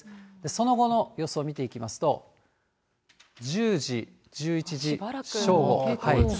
その後の予想見ていきますと、１０時、１１時、正午。